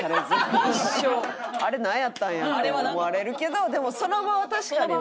あれなんやったんや？って思われるけどでもその場は確かにね。